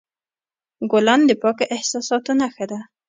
ګلان د پاکو احساساتو نښه ده.